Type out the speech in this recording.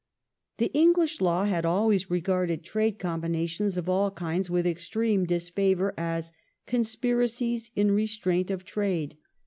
Capital The English law had always regarded trade combinations of bQu^ all kinds with extreme disfavour as " conspiracies in restraint of trade".